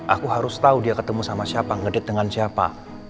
aku harus tahu dia ketemu sama siapa ngedit dengan siapa